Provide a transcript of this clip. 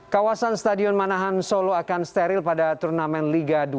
kawasan stadion manahan solo akan steril pada turnamen liga dua